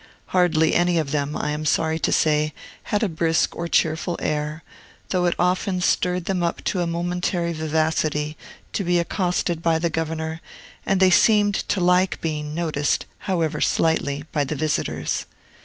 Hardly any of them, I am sorry to say, had a brisk or cheerful air, though it often stirred them up to a momentary vivacity to be accosted by the governor, and they seemed to like being noticed, however slightly, by the visitors.